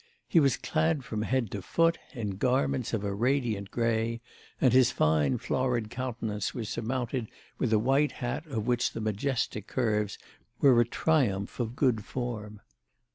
He was clad from head to foot in garments of a radiant grey, and his fine florid countenance was surmounted with a white hat of which the majestic curves were a triumph of good form.